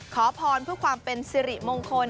ขอพรเพื่อความเป็นสิริมงคล